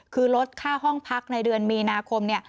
คือลดค่าห้องพักในเดือนมีนาคมเนี่ย